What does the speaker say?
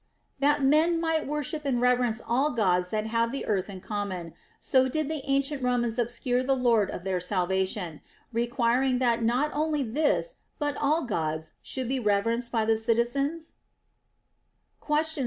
* that men might worship and reverence all Gods that have the eartli in common, so did the ancient Romans obscure the Lord of their Salvation, requiring that not only this but all Gods should be reverenced by the citizens 1 Question 62.